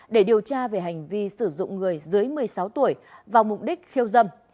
để điều tra về hành vi sử dụng người dưới một mươi sáu tuổi vào mục đích khiêu dâm